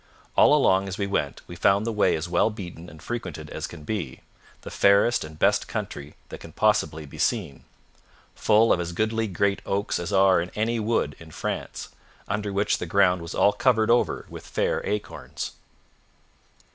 All along as we went we found the way as well beaten and frequented as can be, the fairest and best country that can possibly be seen, full of as goodly great oaks as are in any wood in France, under which the ground was all covered over with fair acorns.